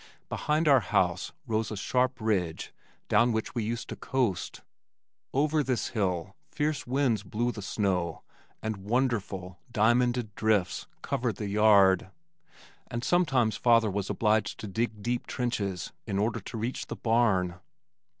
Behind our house rose a sharp ridge down which we used to coast. Over this hill, fierce winds blew the snow, and wonderful, diamonded drifts covered the yard, and sometimes father was obliged to dig deep trenches in order to reach the barn.